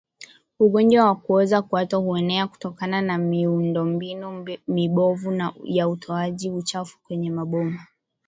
Ugonjwa wa kuoza kwato huenea kutokana na miundombinu mibovu ya utoaji uchafu kwenye maboma